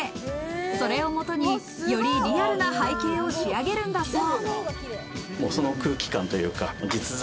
それをもとに、よりリアルな背景を仕上げるんだそう。